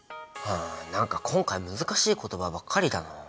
何か今回難しい言葉ばっかりだなあ。